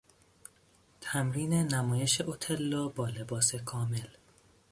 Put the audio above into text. تمرین نمایش اوتللو با لباس کامل